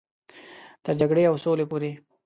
تر جګړې او سولې پورې.